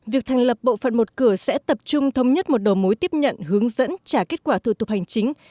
việc thành lập bộ phận một cửa sẽ tập trung thống nhất một đầu mối tiếp nhận hướng dẫn trả kết quả thủ tục hành chính